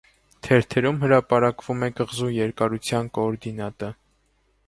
Թերթերում հրապարակվում է կղզու երկարության կոորդինատը։